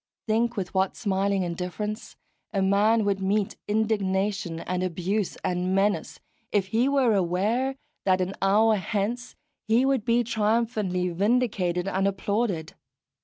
Think with what smiling indifference a man would meet indignation and abuse and menace, if he were aware that an hour hence he would be triumphantly vindicated and applauded.